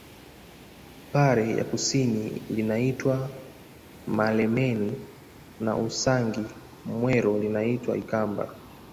Pare ya kusini linaitwa Malameni na Usangi Mwero linaitwa Ikamba